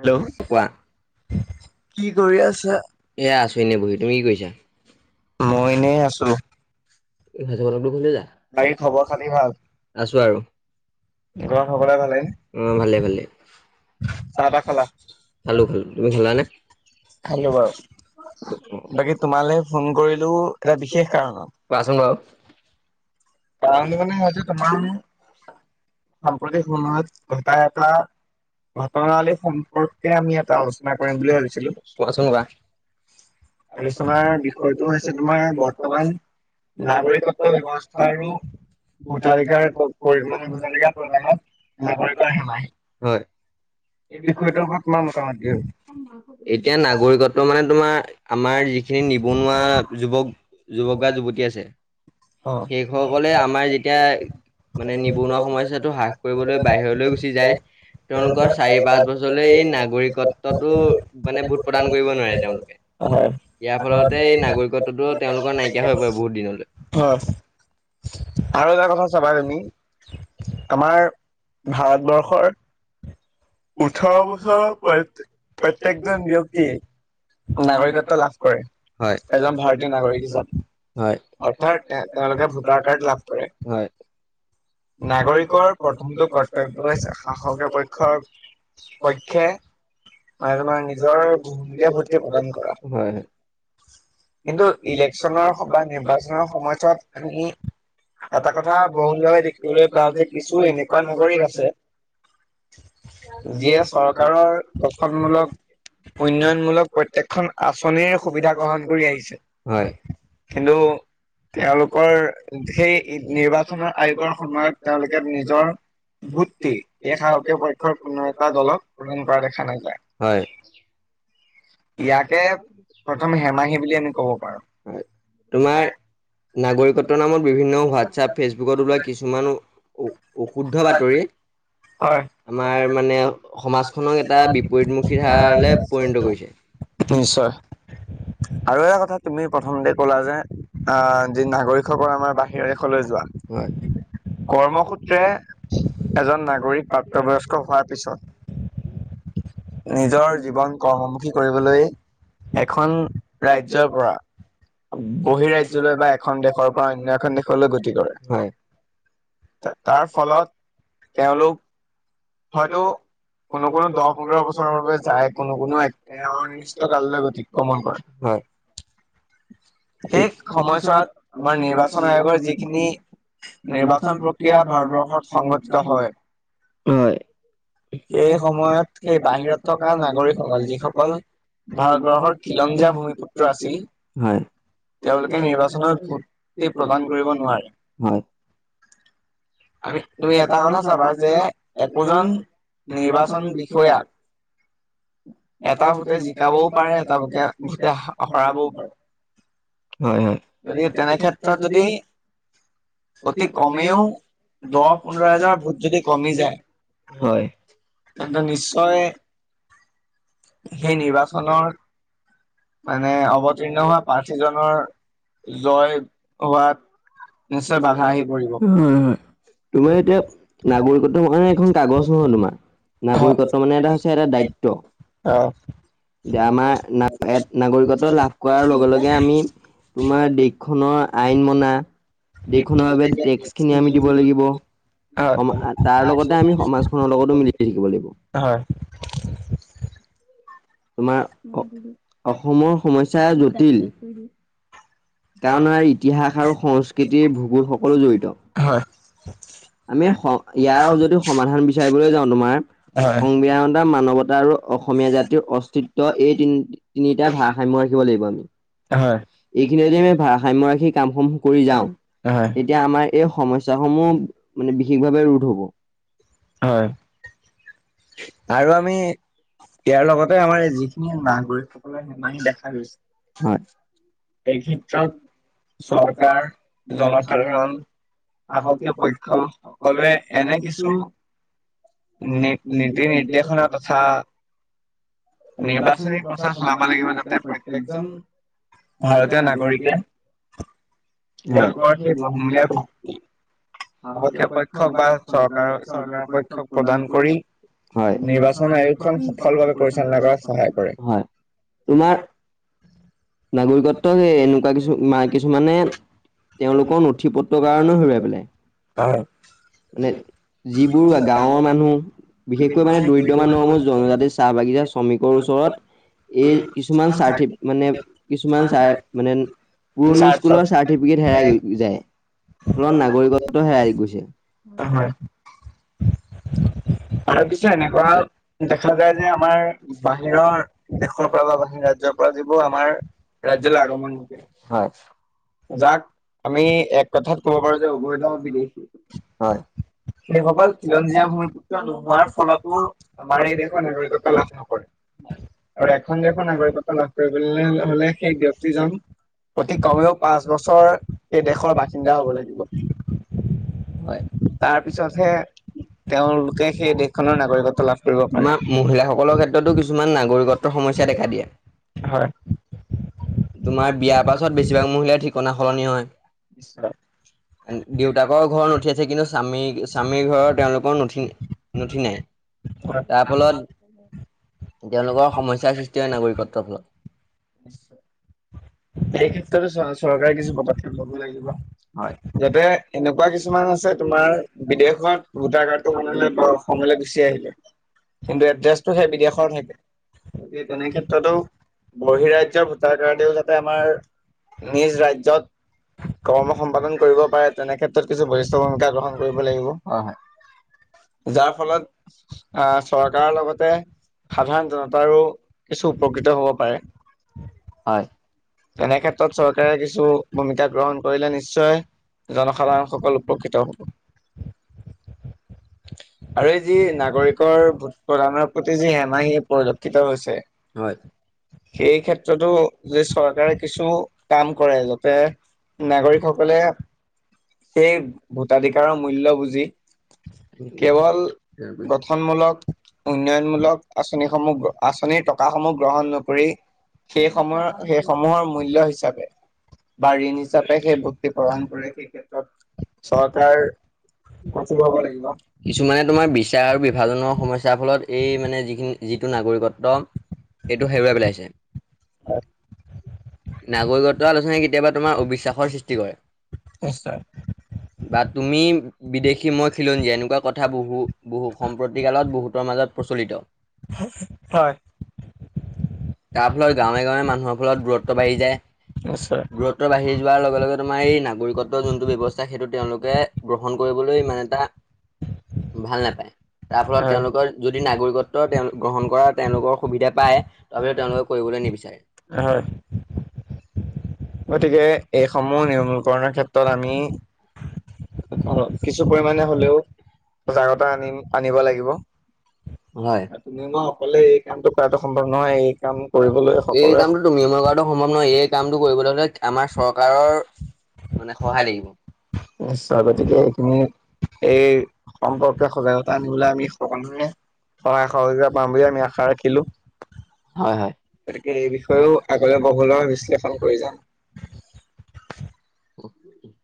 Hello কোৱা কি কৰি আছা এ আছো এনে বহি, তুমি কি কৰিছা? মই এনেই আছো। এই খাজা বটলটো খুলিলা, বাকি খবৰ খাতি আছো আৰু। ঘৰত সকলোৰে ভালেই, উম ভালে ভালে। খালো খালো, তুমি খালা নে? বাকি তোমালৈ ফোন কৰিলো এটা বিশেষ কাৰণত। কোৱাচোন বাৰু। কাৰণটো মানে হৈছে তোমাৰ সাম্প্ৰতিক সময়ত ঘটা এটা ঘটনাৱলী সম্পৰ্কে আমি এটা আলোচনা কৰিম বুলি ভাবিছিলো। কোৱাচোন কোৱা। আলোচনাৰ বিষয়টো হৈছে, তোমাৰ বৰ্তমান নাগৰিকত্ব ব্যৱস্থ আৰু ভোটাধিকাৰ [inaudible] হয়, এই বিষয়টো ওপৰত এতিয়া নাগৰিকত্ব মানে তোমাৰ আমাৰ যিখিনি নিবনুৱা। যুৱক যুৱকা যুৱতী আছে, সেই সকলে আমাৰ যেতিয়া মানে নিবনুৱা সমস্যাটো হ্ৰাস কৰিবলৈ বাহিৰলৈ গুচি যায়। তেওঁলোকৰ চাৰি পাঁচ বছৰলৈ এই নাগৰিকত্বটো মানে ভোট প্ৰদান কৰিব নোৱাৰে তেওঁলোকে। ইয়াৰ ফলতে এই নাগৰিকত্বতটো তেওঁলোকৰ নাইকিয়া হৈ পৰে বহুত দিনলৈ। হয়। আৰু এটা কথা চাবা কি, আমাৰ ভাৰতবৰ্ষৰ ওঠৰ বছৰ প্ৰ ত্যেকজন ব্যক্তি নাগৰিকত্ব লাভ কৰে, এজন ভাৰতীয় নাগৰিক হিচাপে। অৰ্থাৎ তেওঁলোকে ভোটাৰ কাৰ্ড লাভ কৰে। নাগৰিকৰ প্ৰথমটো কৰ্তব্য হৈছে, শাসকীয় পক্ষৰ পক্ষে আৰু তোমাৰ নিজৰ বহুমূলীয়া ভোটটো প্ৰদান কৰা। কিন্তু ইলেকশ্যনৰ বা নিৰ্বাচনৰ সময়ছোৱাত আমি এটা কথা বহুত বাৰে দেখিবলৈ পাওঁ যে, কিছু এনেকুৱা নাগৰিক আছে। যিয়ে চৰকাৰৰ গঠনমূলক উন্নয়নমূলক প্ৰত্যেকখন আঁচনিৰ সুবিধা গ্ৰহণ কৰি আহিছে। কিন্তু তেওঁলোকৰ সেই নিৰ্বাচনৰ আয়োগৰ সময়ত তেওঁলোকে নিজৰ ভোটটি এক সাহসকীয় পক্ষৰ কোনো এটা দলক গ্ৰহণ কৰা দেখা নাযায়। হয়। ইয়াকে হেমাহি বুলি আমি কব পাৰো, তোমাৰ নাগৰিকত্ব নামত বিভিন্ন হোৱাটছআপ ফেচবুকত ওলোৱা কিছুমান অশুদ্ধ বাতৰি আমাৰ মানে সমাজখনক এটা বিপৰীতমুখী ধাৰালে পৰিণত কৰিছে। নিশ্চয়। আৰু এটা কথা তুমি প্ৰথমতে ক'লা যে, আঁহ যি নাগৰিকসকল আমাৰ বাহিৰৰ দেশলৈ যোৱা। হয়। কৰ্মসূত্ৰে এজন নাগৰিক প্ৰাপ্তবয়স্ক হোৱাৰ পিছত। নিজৰ জীৱন কৰ্মমুখী কৰিবলৈ এখন। ৰাজ্যৰ পৰা। বহি ৰাজ্যলৈ বা এখন দেশৰ পৰা অন্য এখন দেশলৈ গতি কৰে। হয়। তাৰ ফলত তেওঁলোক হয়তো। কোনো কোনো দহ পোন্ধৰ বছৰৰ বাবে যায় কোনো কোনো একিষ্ট কাললৈ অতিক্ৰমণ কৰে। হয়। এই সময়ছোৱাত আমাৰ নিৰ্বাচন আয়োগৰ যিখিনি। নিৰ্বাচন প্ৰক্ৰিয়া ভাৰতবৰ্ষত সংঘটিত হয় হয়। এই সময়ত সেই বাহিৰত থকা নাগৰিকসকল যিসকল। ভাৰতবৰ্ষৰ খিলঞ্জীয়া মহ পুত্ৰ আছিল হয়। তেওঁলোকে নিৰ্বাচন প্ৰদান কৰিব নোৱাৰে হয়। তুমি এটা কথা চাাবা যে একোজন। নিৰ্বাচন বিষয়াক। এটা ভোটে জিকাবও পাৰে এটা ভোটে হৰাবও পাৰে। হয় হয় গতিকে তেনে ক্ষেত্ৰত যদি অতি কমেও। দহ পোন্ধৰ হাজাৰ ভোট যদি কমি যায়। হয় তেনে নিশ্চয়। সেই নিৰ্বাচনৰ মানে অৱতীৰ্ণ হোৱা। প্ৰাৰ্থীজনৰ জয় হোৱাত। নিশ্চয় বাধা আহি পৰিব উম উম। তোমাৰ এতিয়া নাগৰিকত্ব মানে এখন কাগজ নহয় তোমাৰ। নাগৰিকত্ব মানে এটা হৈছে এটা দায়িত্ব। দে আমাৰ ন নাগৰিকত্ব লাভ কৰাৰ লগত। আমি তোমাৰ দেশখনৰ আইন মনা দেশখনৰ বাবে টেক্স খিনি আমি। দিব লাগিব সমা তাৰ লগতে আমি সমাজ খনৰ লগতো মিলি থাকিব লাগিব। হয়। তোমাৰ অ অসমৰ সমস্যা জটিল। কাৰণ ইতিহাস আৰু সংস্কৃতিৰ ভূগোল সকলো জড়িত। হয়। আমি হ ইয়াৰ যদি সমাধান বিচাৰিবলৈ যাওঁ তোমাৰ সংবিধানতা মানৱতা আৰু। অসমীয়া জাতিৰ অস্তিত্ব এই তি তিনিটা ভাৰসাম্য ৰাখিব লাগিব আমি। এইখিনি যদি আমি ভাৰসাম্য ৰাখি কামসমূহ কৰি যাওঁ তেতিয়া আমাৰ। এই সমস্যা সমূহ মানে বিশেষভাৱে ৰোধ হ'ব। হয়। আৰু আমি ইয়াৰ লগতে আমাৰ যিখিনি নাগৰিক সকলে সেমান হিন দেখা গৈছে। হয়। এই ক্ষেত্ৰত চৰকাৰ জনসাধাৰণ। শাসকীয় পক্ষ সকলোৱেএনে কিছু। নীতি নিৰ্দেশনা তথা। নিৰ্বাচনী প্ৰচাৰ চলাব লাগিব যাতে প্ৰত্যকজন। ভাৰতীয় নাগৰিকে তেওঁলোকৰ সেই বহুমুলীয়া ভোট দি। সাক্ষকীয় পক্ষক বা চৰকাৰ চৰকাৰ পক্ষক প্ৰদান কৰি। হয় নিৰ্বাচন আয়োগখন সফল ভাবে কৰিচালনা কৰাত সহায় কৰে হয়। তোমাৰ নাগৰিকত্ব যে এনেকুৱা কিছু কিছুমানে। তেওঁলোকৰ নথি পত্ৰৰ কাৰণেও হেৰুৱাই পেলাই। মানে যিবোৰ গাঁৱৰ মানুহ- বিশেষকৈ মানে দৰিদ্ৰ মানুহসমূহ জনজাতিৰ চাহ বাগিচা শ্ৰমিকৰ ওচৰত- এই কিছুমান চাৰ্টি মানে কিছুমান চা মানে- পুৰণি স্কুলৰ চাৰ্টিফিকেট হেৰাই যায় ফলত নাগৰিকত্বও হেৰাই গৈছে। হয়। আৰু পিছে এনেকুৱা দেখা যায় যে আমাৰ বাহিৰৰ দেশৰ পৰা বা বহি ৰাজ্যৰ পৰা- পৰা যিবোৰ আমাৰ- ৰাজ্যলৈ আগমন ঘটে, হয়। যাক তুমি এক কথাত কব পাৰো যে অবৈধ বিদেশী, হয়। সেই সকল খিলঞ্জীয়াই হয়। নোহোৱাৰ ফলতো আমাৰ এই দেশৰ নাগৰিকত্ব লাভ নকৰে। আৰু এখন দেশৰ নাগৰিকত্ব লাভ কৰিবলৈ হ'লে সেই ব্যক্তিজন অতি কমেও- পাঁচ বছৰ এই দেশৰ বাসিন্দা হ'ব লাগিব। হয়, তাৰ পিছতহে তেওঁলোকে- তোমাৰ মহিলাসকলৰ ক্ষেত্ৰতো কিছুমান নাগৰিকত্বৰ সমস্যা দেখা দিয়ে। হয়, তোমাৰ বিয়া কথাত বেছিভাগেই। ঠিকনা সলনি হয়। দেউতাকৰ ঘৰৰ নথি আছে কিন্তু স্বামী স্বামীৰ ঘৰৰ তেওঁলোকৰ নথি- নথি নাই। তাৰ ফলত- তেওঁলোকৰ সমস্যাৰ সৃষ্টি হয় নাগৰিকত্বৰ ফালত। এই ক্ষেত্ৰতো চ চৰকাৰে কিছু পদক্ষেপ ল'ব লাগিব, হয়। যাতে- এনেকুৱা কিছুমান আছে তোমাৰ বিদেশত ভোটাৰ কাৰ্ডটো বনালে বা অসমলৈ গুচি আহিল- কিন্তু এড্ৰেছটো সেই বিদেশৰহে। গতিকে তেনে ক্ষেত্ৰতো- বহি ৰাজ্যৰ ভোটাৰ কাৰ্ডেও যাতে আমাৰ নিজ ৰাজ্যত- কৰ্ম সম্পাদন কৰিব পাৰে তেনে ক্ষেত্ৰত কিছু অসুবিধা গ্ৰহণ কৰিব লাগিব, হয় হয়। যাৰ ফলত আহ চৰকাৰৰ লগতে- সাধাৰণ জনতাৰো কিছু উপকৃত হব পাৰে। হয়। তেনে ক্ষেত্ৰত চৰকাৰে কিছু ভূমিকা গ্ৰহণ কৰিলে নিশ্চয়- জনসাধাৰণ সকলো উপকৃত হব। আৰু এই যি নাগৰিকৰ ভোট প্ৰদানৰ ক্ষেত্ৰত যি হেমাহি পৰিলক্ষিত হৈছে- হয়। এই ক্ষেত্ৰতো চৰকাৰে কিছু কাম কৰে। নাগৰিকসকলে সেই ভোটাধিকাৰৰ মূল্য বুজি- কেৱল গঠনমূলক, - উন্নয়নমূলক আঁচনিসমূহ আঁচনিৰ টকা সমূহ গ্ৰহণ ন- কৰি সেই সময়ৰ সেই সমূহৰ মূল্য হিচাপে- বা ঋণ হিচাপে সেই ভক্তি প্ৰদান কৰে, সেই ক্ষেত্ৰত চৰকাৰ- বাচি খাব লাগিব। কিছুমানে তোমাৰ বিচাৰ আৰু বিভাগ- বিভাজনৰ সমস্যাৰ ফলত এই মানে যিখিনি যিটো নাগৰিকত্ব সেইটো হেৰুৱাই পেলাইছে। নাগৰিকত্ব আলোচনী কেতিয়াবা তোমাৰ অবিশ্বাসৰ সৃষ্টি কৰে। বা তুমি বিদেশী, মই খিলঞ্জীয়া এনেকুৱা- কথা বহু বহু সম্প্ৰতি কালত বহুতৰ মাজত প্ৰচলিত। তাৰ ফলত গাঁৱে গাঁৱে মানুহৰ মাজত দূৰত্ব বাঢ়ি যায় দূৰত্ব বাঢ়ি যোৱাৰ লগে লগে তোমাৰ এই নাগৰিকত্বৰ যোনটো ব্যৱস্থা সেইটো তেওঁলোকে গ্ৰহণ কৰিবলৈ ইমান এটা ভাল নাপায় তাৰ ফলত তেওঁলোকৰ যদি নাগৰিকত্ব তেওঁ গ্ৰহণ কৰা তেওঁলোকৰ সুবিধা পায় তাৰপিছত তেওঁলোকে কৰিবলৈ নিবিচাৰে হয় গতিকে এইসমূহ নিৰ্মৰ্মূল কৰণাৰ ক্ষেত্ৰত আমি কিছু পৰিমাণে হ'লেও সজাগতা আনিম আনিব লাগিব হয় তুমি মই অকলে এই কামটো কৰাটো সম্ভৱ নহয় এই কাম কৰিবলৈ এই কামটো তুমি মই কৰাটো সম্ভৱ নহয় এই কামটো কৰিবলৈ হলে আমাৰ চৰকাৰৰ নিশ্চয় গতিকে এইখিনি এই সম্পৰ্কীয় সজাগতা আনিবলৈ আমি সকলোৱে সহায় সহযোগিতা পাম বুলি আমি আশা ৰাখিলো হয় হয় এই বিষয়েও আগতে কবলৈ বিশ কৰিলে [inaudible]